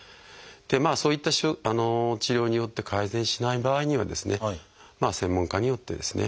そういった治療によって改善しない場合には専門家によってですね